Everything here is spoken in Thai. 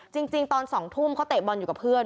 จริงตอน๒ทุ่มเขาเตะบอลอยู่กับเพื่อน